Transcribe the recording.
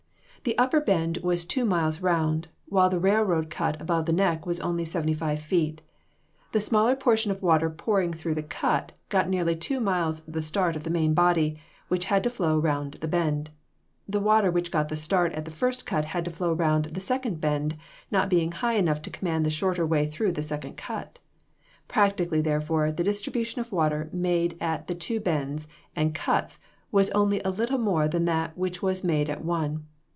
The upper bend was two miles round, while the railroad cut across the neck was only seventy five feet. The smaller portion of water pouring through the cut got nearly two miles the start of the main body, which had to flow round the bend. The water which got the start at the first cut had to flow round the second bend, not being high enough to command the short way through the second cut. Practically, therefore, the distribution of water made at two bends and cuts was only a little more than that which was made at one.